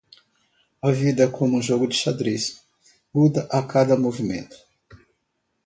A vida é como um jogo de xadrez, muda a cada movimento.